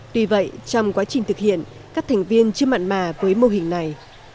tuy vậy trong quá trình thực hiện các thành viên chưa mận bà với mô hình này